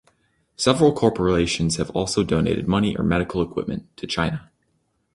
Several corporations have also donated money or medical equipment to China.